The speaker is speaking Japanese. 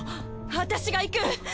私が行く！